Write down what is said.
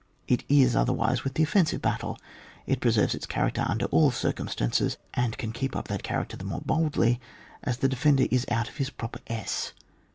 It is otherwise with the offensive battle: it preserves its character under all circumstances, and can keep up that character the more boldly, as the defender is out of his proper esse.